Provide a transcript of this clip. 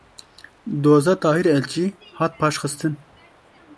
Doza Tahîr Elçî hat paşxistin.